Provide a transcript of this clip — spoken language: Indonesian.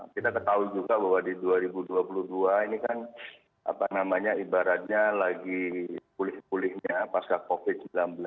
kita ketahui juga bahwa di dua ribu dua puluh dua ini kan apa namanya ibaratnya lagi pulih pulihnya pasca covid sembilan belas